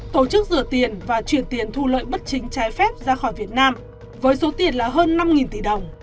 tổ chức rửa tiền và chuyển tiền thu lợi bất chính trái phép ra khỏi việt nam với số tiền là hơn năm tỷ đồng